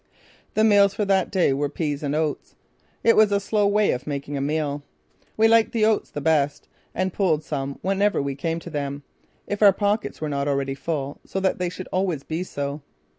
The meals for that day were peas and oats. It was a slow way of making a meal. We liked the oats the best and pulled some whenever we came to them, if our pockets were not already full, so that they should always be so.